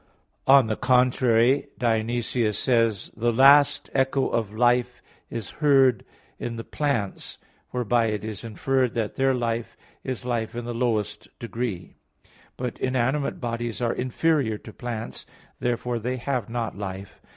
On the contrary, Dionysius says (Div. Nom. vi, 1) that "The last echo of life is heard in the plants," whereby it is inferred that their life is life in its lowest degree. But inanimate bodies are inferior to plants. Therefore they have not life.